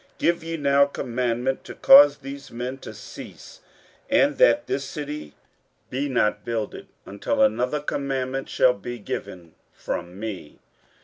15:004:021 Give ye now commandment to cause these men to cease, and that this city be not builded, until another commandment shall be given from me.